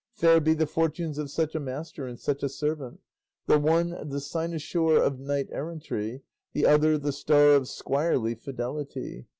Fair be the fortunes of such a master and such a servant, the one the cynosure of knight errantry, the other the star of squirely fidelity!